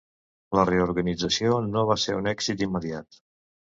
La reorganització no va ser un èxit immediat.